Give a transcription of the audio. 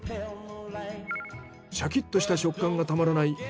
シャキッとした食感がたまらない